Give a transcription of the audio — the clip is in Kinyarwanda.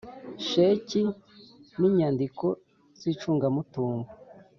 Sheki n’inyandiko z’icungamutungo,